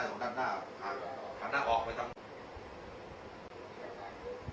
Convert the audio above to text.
หลังจากนี้ก็ได้เห็นว่าหลังจากนี้ก็ได้เห็นว่า